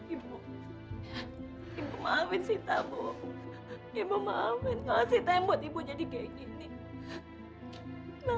ibu ibu maafin sita bu ibu maafin kalo sita yang buat ibu jadi kayak gini